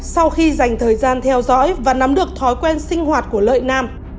sau khi dành thời gian theo dõi và nắm được thói quen sinh hoạt của lợi nam